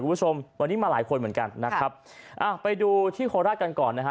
คุณผู้ชมวันนี้มาหลายคนเหมือนกันนะครับอ่าไปดูที่โคราชกันก่อนนะฮะ